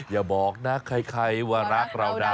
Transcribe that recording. อย่าบอกนะใครว่ารักเรานะ